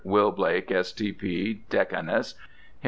_ Will. Blake, S.T.P., Decanus. Hen.